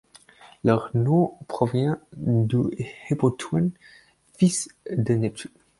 Leur nom provient du Hippothoon, fils de Neptune.